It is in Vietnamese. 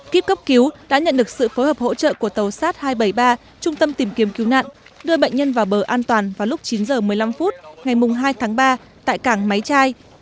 kíp cấp cứu đã nhận được sự phối hợp hỗ trợ của tàu sát hai trăm bảy mươi ba trung tâm tìm kiếm cứu nạn đưa bệnh nhân vào bờ an toàn vào lúc chín h một mươi năm phút ngày hai tháng ba tại cảng máy chai